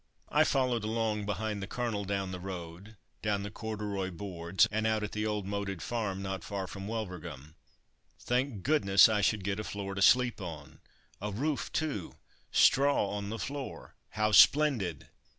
I followed along behind the Colonel down the road, down the corduroy boards, and out at the old moated farm not far from Wulverghem. Thank goodness, I should get a floor to sleep on! A roof, too! Straw on the floor! How splendid!